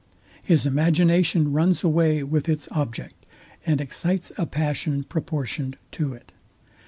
His imagination runs away with its object, and excites a passion proportioned to it.